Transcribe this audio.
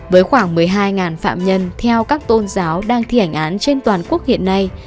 với khoảng một mươi hai phạm nhân theo các tôn giáo đang thi hành án trên toàn quốc hiện nay